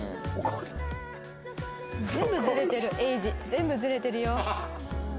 全部ずれてるよ。